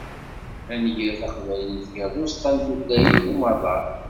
Ad nger taqbaylit gar uẓeṭṭa n tutlayin n umaḍal.